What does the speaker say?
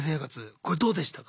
これどうでしたか？